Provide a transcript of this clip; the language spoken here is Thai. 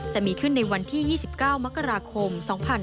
จะมีขึ้นในวันที่๒๙มกราคม๒๕๕๙